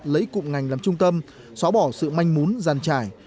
lấy cụm ngành làm trung tâm xóa bỏ sự manh mún giàn trải